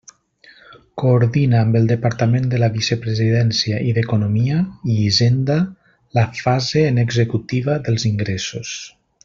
Coordina amb el Departament de la Vicepresidència i d'Economia i Hisenda la fase en executiva dels ingressos.